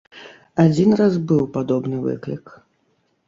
Адзін раз быў падобны выклік.